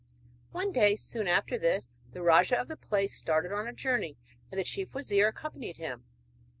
One day, soon after this, the rajah of the place started on a journey and the chief wazir accompanied him.